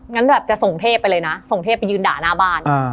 งั้นแบบจะส่งเทพไปเลยนะส่งเทพไปยืนด่าหน้าบ้าน